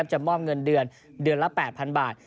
จะมอบเงินเดือนเดือนละ๘๐๐๐บาท